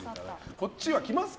こっちは来ますか？